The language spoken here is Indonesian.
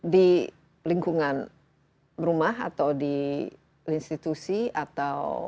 di lingkungan rumah atau di institusi atau